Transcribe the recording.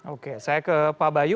oke saya ke pak bayu